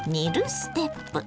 ステップ。